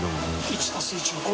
「１＋１＝５」